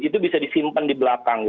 itu bisa disimpan di belakang